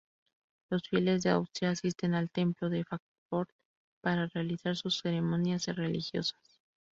Los fieles de Austria asisten al Templo de Fráncfort para realizar sus ceremonias religiosas.